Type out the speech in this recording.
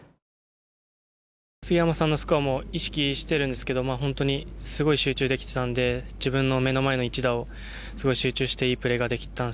杉山さんのスコアも意識しているんですが、すごい集中できていたので、自分の目の前の一打を集中して、いいプレーができたと。